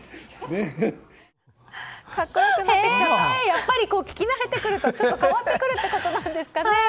やっぱり聞き慣れてくると変わってくるということなんですかね。